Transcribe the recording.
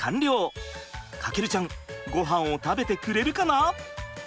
翔ちゃんごはんを食べてくれるかな！？